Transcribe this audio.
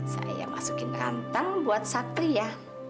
saya masukin rantang buat satria